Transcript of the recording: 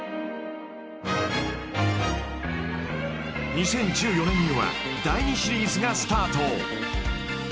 ［２０１４年には第２シリーズがスタート］